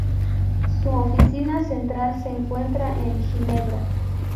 Su oficina central se encuentra en Ginebra.